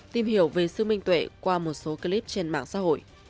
tìm hiểu về sự minh tuệ qua một số clip trên mạng xã hội